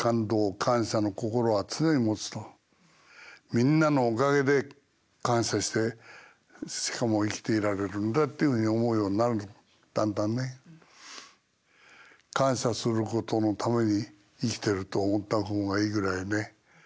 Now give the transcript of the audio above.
みんなのおかげで感謝してしかも生きていられるんだっていうふうに思うようになるだんだんね。と思ったほうがいいぐらいね。